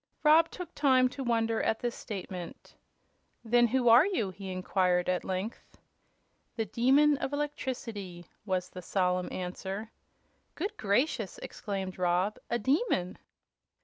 Rob took time to wonder at this statement. "Then who are you?" he inquired, at length. "The Demon of Electricity," was the solemn answer. "Good gracious!" exclaimed Rob, "a demon!"